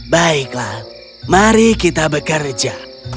baiklah mari kita bekerja